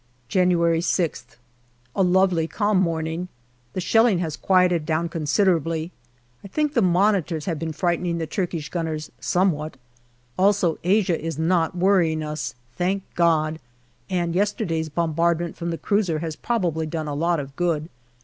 January 6th. A lovely calm morning. The shelling has quietened down considerably. I think the Monitors have been frightening the Turkish gunners somewhat. Also Asia is not worrying us, thank God ! and yesterday's bombardment from the cruiser has probably done a lot of good.